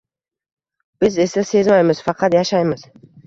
Biz esa sezmaymiz… Faqat yashaymiz